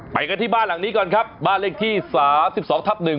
ไปกันที่บ้านหลังนี้ก่อนครับบ้านเลขที่สามสิบสองทับหนึ่ง